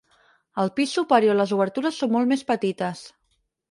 Al pis superior les obertures són molt més petites.